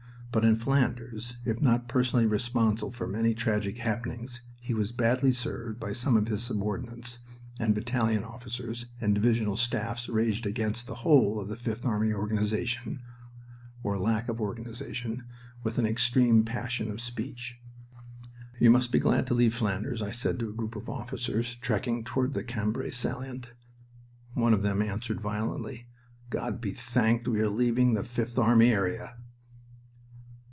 But in Flanders, if not personally responsible for many tragic happenings, he was badly served by some of his subordinates; and battalion officers and divisional staffs raged against the whole of the Fifth Army organization, or lack of organization, with an extreme passion of speech. "You must be glad to leave Flanders," I said to a group of officers trekking toward the Cambrai salient. One of them answered, violently: "God be thanked we are leaving the Fifth Army area!"